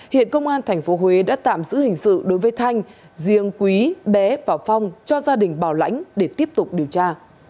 hiện công an tp huế đã tạm giữ hình sự đối với thanh riêng quý bé và phong cho gia đình bảo lãnh để tiếp tục điều tra